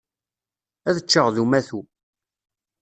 Ad ččeɣ d umatu.